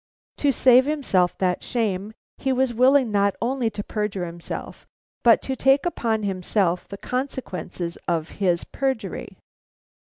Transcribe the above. To save himself that shame, he was willing not only to perjure himself, but to take upon himself the consequences of his perjury.